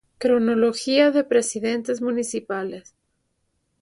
Cronología de Presidentes Municipales